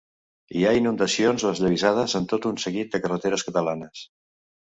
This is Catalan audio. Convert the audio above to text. Hi ha inundacions o esllavissades en tot un seguit de carreteres catalanes.